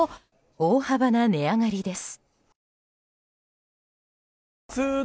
大幅な値上がりです。